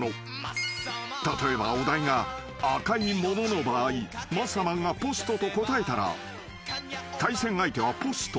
［例えばお題が赤いものの場合マッサマンがポストと答えたら対戦相手はポスト。